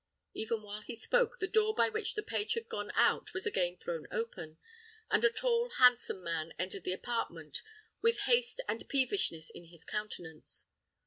Even while he spoke, the door by which the page had gone out was again thrown open, and a tall, handsome man entered the apartment, with haste and peevishness in his countenance.